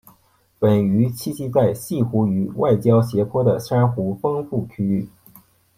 本鱼栖息在舄湖与外礁斜坡的珊瑚丰富的区域。